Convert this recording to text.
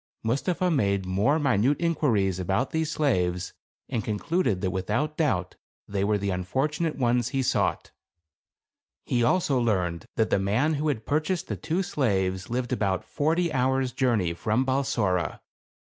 Mustapha made more minute inquiries about these slaves and concluded that without doubt they were the unfortunate ones he sought. He also learned that the man who had purchased the two slaves lived about forty hours journey from Balsora.